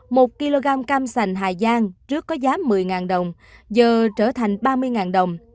một kg cam sành hà giang trước có giá một mươi đồng giờ trở thành ba mươi đồng